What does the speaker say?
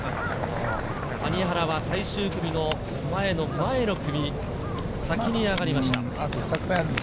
谷原は最終組の前の前の組、先に上がりました。